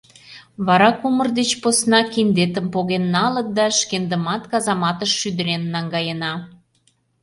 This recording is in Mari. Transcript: Вара кумыр деч посна киндетым поген налыт да шкендымат казаматыш шӱдырен наҥгаена».